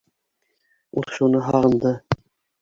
Ул шуны һағынды.